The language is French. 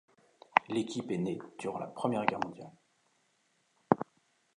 L'équipe est née durant la Première Guerre mondiale.